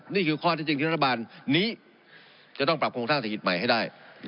นี่คือข้อที่จริงที่รัฐบาลนี้จะต้องปรับโครงสร้างเศรษฐกิจใหม่ให้ได้